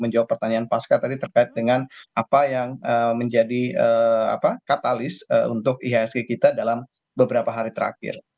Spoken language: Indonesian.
menjawab pertanyaan pasca tadi terkait dengan apa yang menjadi katalis untuk ihsg kita dalam beberapa hari terakhir